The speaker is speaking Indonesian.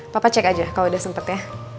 papa cek aja kalau udah sempat ya